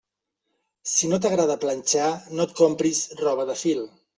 Si no t'agrada planxar, no et compris roba de fil.